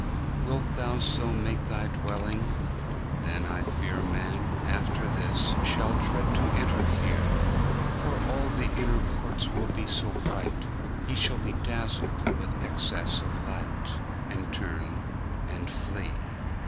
Wilt Thou so make Thy dwelling? Then I fear Man, after this, shall dread to enter here: For all the inner courts will be so bright, He shall be dazzled with excess of light, And turn, and flee!